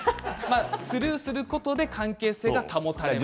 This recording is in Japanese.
スルーすることで関係性が保たれると。